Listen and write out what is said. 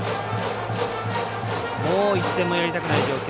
もう１点もやりたくない状況。